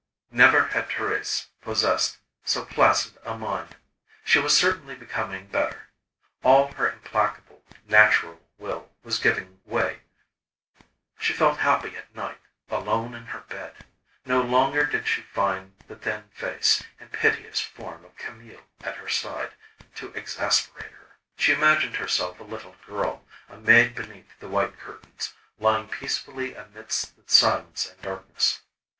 Never had Thérèse possessed so placid a mind. She was certainly becoming better. All her implacable, natural will was giving way. She felt happy at night, alone in her bed; no longer did she find the thin face, and piteous form of Camille at her side to exasperate her. She imagined herself a little girl, a maid beneath the white curtains, lying peacefully amidst the silence and darkness.